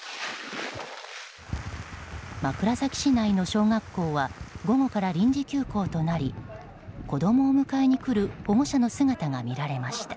枕崎市内の小学校は午後から臨時休校となり子供を迎えに来る保護者の姿が見られました。